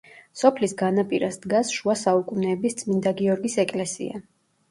სოფლის განაპირას დგას შუა საუკუნეების წმინდა გიორგის ეკლესია.